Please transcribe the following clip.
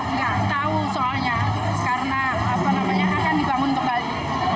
mereka juga enggak tahu soalnya karena akan dibangun kembali